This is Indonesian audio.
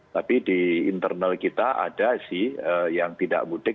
tapi di internal kita ada sih yang tidak mudik